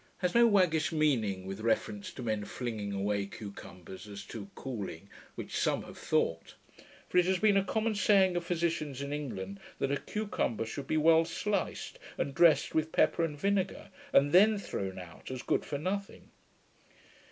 has no waggish meaning, with reference to men flinging away cucumbers as too COOLING, which some have thought; for it has been a common saying of physicians in England, that a cucumber should be well sliced, and dressed with pepper and vinegar, and then thrown out, as good for nothing.